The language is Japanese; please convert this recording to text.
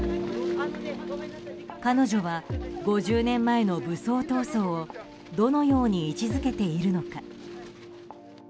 彼女は５０年前の武装闘争をどのように位置づけているのか。